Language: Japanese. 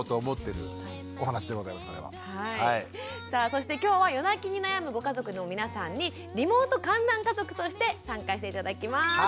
さあそして今日は夜泣きに悩むご家族の皆さんにリモート観覧家族として参加して頂きます。